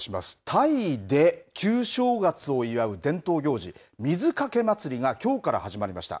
タイで旧正月を祝う伝統行事水かけ祭りがきょうから始まりました。